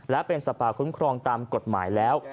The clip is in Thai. และเป็นสัตว์ป่าคุ้มครองตามกฎหมายแล้ว